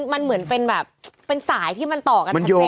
มันเหมือนเป็นแบบเป็นสายที่มันต่อกันชัดเจน